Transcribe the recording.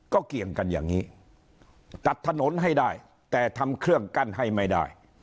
ก็เกี่ยงกันอย่างนี้ตัดถนนให้ได้แต่ทำเครื่องกั้นให้ไม่ได้